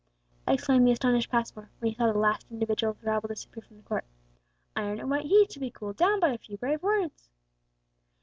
exclaimed the astonished Passmore, when he saw the last individual of the rabble disappear from the court. "Iron at white heat to be cooled down by a few brave words!"